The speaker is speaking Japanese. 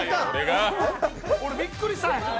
俺びっくりしたんやから。